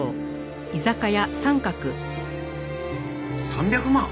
３００万？